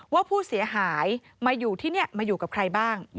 ว่าผู้เสียหายมาอยู่ที่นี่มาอยู่กับใครบ้าง